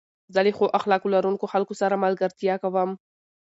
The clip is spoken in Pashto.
زه له ښو اخلاق لرونکو خلکو سره ملګرتيا کوم.